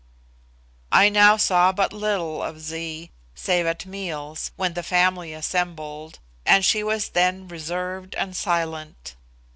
I now saw but little of Zee, save at meals, when the family assembled, and she was then reserved and silent.